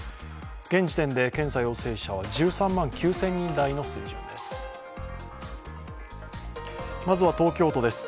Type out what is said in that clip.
現時点で検査陽性者は１３万９０００人台の水準です。